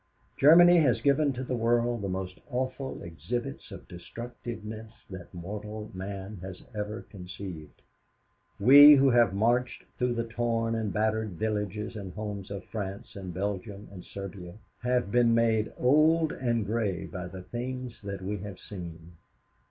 "'Germany has given to the world the most awful exhibits of destructiveness that mortal man has ever conceived. We, who have marched through the torn and battered villages and homes of France and Belgium and Serbia, have been made old and gray by the things that we have seen.